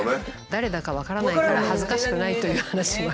誰だか分からないから恥ずかしくないという話も。